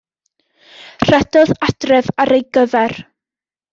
Rhedodd adref ar ei gyfer.